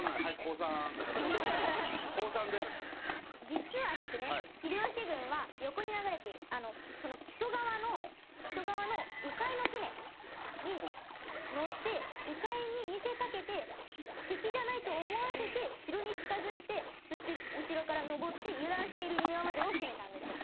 実はですね、秀吉軍は横に流れている木曽川の木曽川の鵜飼いの船に乗って鵜飼いに見せかけて敵じゃないと思わせて城に近付いてそして、後ろから登って油断している犬山城を攻めたんですよ。